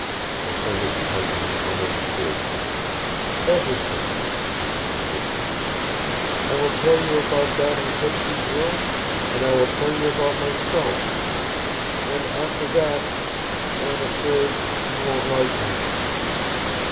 Her fingers tightened almost fiercely. "Everything," she repeated. "I will tell you about that in Kedsty's room and I will tell you about myself and after that I am afraid you won't like me."